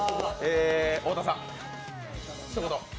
太田さん、ひと言。